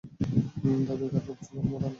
দামী কার্পেটে ফ্লোর মোড়ানো।